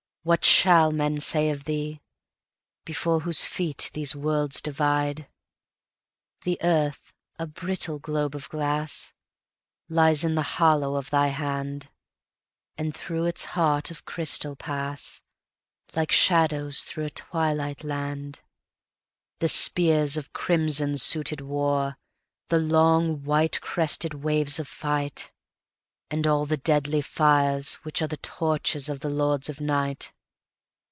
what shall men say of thee, Before whose feet the worlds divide? The earth, a brittle globe of glass, Lies in the hollow of thy hand, And through its heart of crystal pass, Like shadows through a twilight land, The spears of crimson suited war, The long white crested waves of fight, And all the deadly fires which areThe torches of the lords of Night.